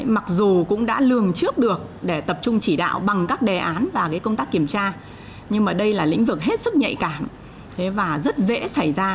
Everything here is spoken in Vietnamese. mặc dù cũng đã lường trước được để tập trung chỉ đạo bằng các đề án và công tác kiểm tra nhưng mà đây là lĩnh vực hết sức nhạy cảm và rất dễ xảy ra